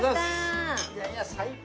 いやいや最高です。